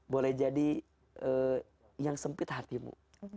boleh jadi yang sempit hatimu